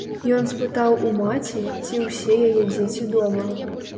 Ён спытаў у маці, ці ўсе яе дзеці дома.